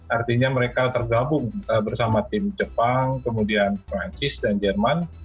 artinya mereka tergabung bersama tim jepang kemudian perancis dan jerman